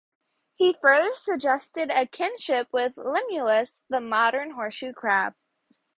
He further suggested a kinship with "Limulus", the modern horseshoe crab.